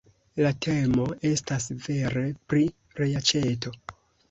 La temo estas vere pri reaĉeto!